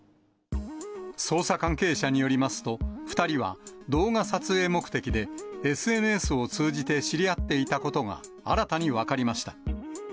捜査関係者によりますと、２人は、動画撮影目的で、ＳＮＳを通じて知り合っていたことが、新たに分かりました。